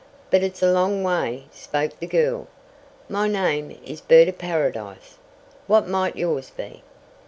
"But it's a long way," spoke the girl. "My name is Bird of Paradise. What might yours be?"